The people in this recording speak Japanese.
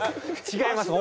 違います